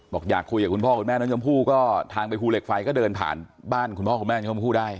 บอกอยากคุยอย่าคุยคุณพ่อคุณแม่น้นยำพู่ก็ทางไปภูเหล็กไฟก็เดินผ่านบ้านคุณพ่อคุณแม่นนยำพูได้